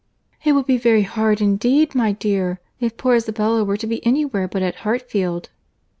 "It would be very hard, indeed, my dear, if poor Isabella were to be anywhere but at Hartfield."